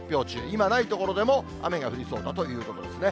今、ない所でも雨が降りそうだということですね。